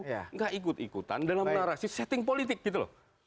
tidak ikut ikutan dalam narasi setting politik gitu loh